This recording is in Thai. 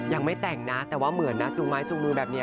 ยังไม่แต่งนะแต่ว่าเหมือนนะจูงไม้จูงมือแบบนี้